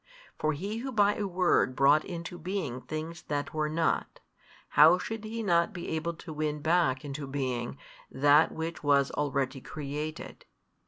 For He who by a Word brought into being things that were not, how should He not be able to win back into being that which was already created?